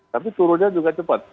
tapi turunnya juga cepat